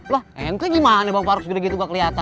wah ente gimana bang faruk segitu gitu gak keliatan